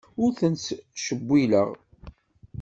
Ur ten-ttcewwileɣ.